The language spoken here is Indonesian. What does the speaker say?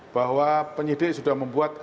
bahwa penyidik sudah membuat